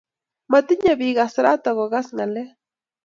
matinye pik kasrata ko kas ngalek